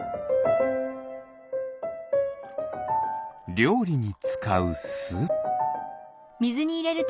りょうりにつかうす。